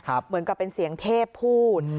เหมือนกับเป็นเสียงเทพพูด